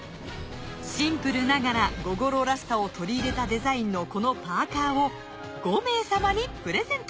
シンプルながら午後ローらしさを取り入れたデザインのこのパーカーを５名様にプレゼント